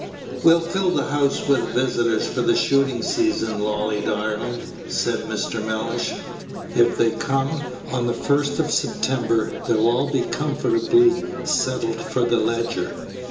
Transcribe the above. "We'll fill the house with visitors for the shooting season, Lolly, darling," said Mr. Mellish. "If they come on the first of September, they'll all be comfortably settled for the Leger.